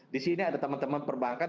di sini ada teman teman perbankan